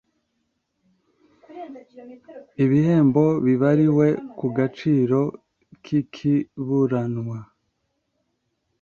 Ibihembo bibariwe ku gaciro k ikiburanwa